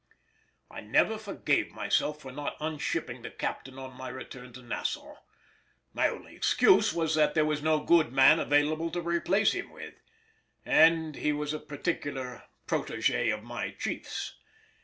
I never forgave myself for not unshipping the captain on my return to Nassau; my only excuse was that there was no good man available to replace him with, and he was a particular protégé of my chiefs.